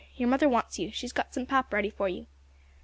Your mother wants you; she's got some pap ready for you."